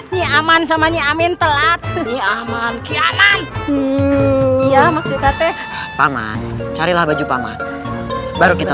nyi aman sama nyi amin telat nyi aman kianan iya maksudnya paman carilah baju paman baru kita